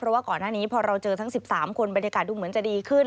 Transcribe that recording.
เพราะว่าก่อนหน้านี้พอเราเจอทั้ง๑๓คนบรรยากาศดูเหมือนจะดีขึ้น